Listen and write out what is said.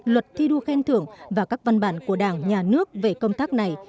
luật thi đua khen thưởng và các văn bản của đảng nhà nước về công tác này